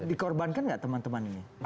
dikorbankan nggak teman teman ini